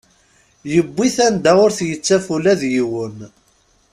Yewwi-t anda ur t-yettaf ula d yiwen.